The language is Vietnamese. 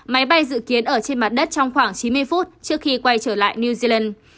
máy bay dự kiến ở trên mặt đất trong khoảng chín mươi phút trước khi quay trở lại new zealand